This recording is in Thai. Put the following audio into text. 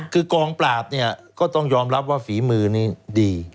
คือกองปราบเนี่ยก็ต้องยอมรับว่าฝีมือนี้ดี